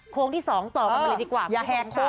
โค้งที่๒ต่อกลับมาเลยดีกว่าคุณผู้ชม